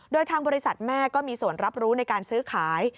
โดยทางบริษัทแม่ก็มีส่วนรับรู้ในการซื้อขาย